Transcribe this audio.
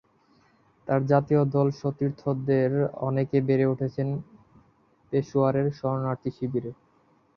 তাঁর জাতীয় দল সতীর্থদের অনেকেই বেড়ে উঠেছেন পেশোয়ারের শরণার্থীশিবিরে।